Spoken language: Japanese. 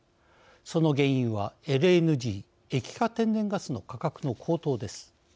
その原因はＬＮＧ＝液化天然ガスの価格の高騰です。